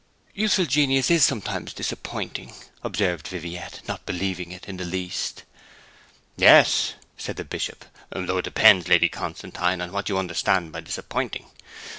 'Youthful genius is sometimes disappointing,' observed Viviette, not believing it in the least. 'Yes,' said the Bishop. 'Though it depends, Lady Constantine, on what you understand by disappointing.